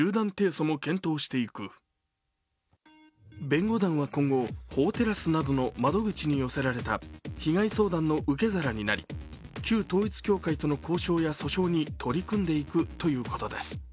弁護団は今後、法テラスなどの窓口に寄せられた被害相談の受け皿になり、旧統一教会との交渉や訴訟に取り組んでいくということです。